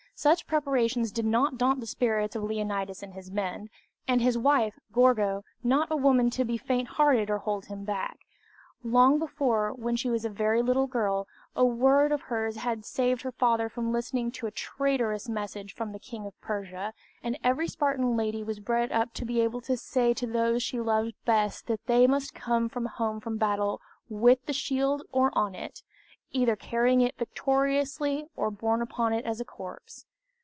Such preparations did not daunt the spirits of Leonidas and his men, and his wife, Gorgo, not a woman to be faint hearted or hold him back. Long before, when she was a very little girl, a word of hers had saved her father from listening to a traitorous message from the King of Persia; and every Spartan lady was bred up to be able to say to those she best loved that they must come home from battle "with the shield or on it" either carrying it victoriously or borne upon it as a corpse.